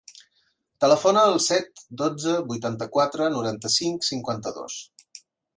Telefona al set, dotze, vuitanta-quatre, noranta-cinc, cinquanta-dos.